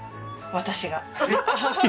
私が。